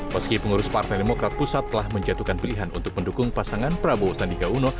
meski pengurus partai demokrat pusat telah menjatuhkan pilihan untuk mendukung pasangan prabowo sandiaga uno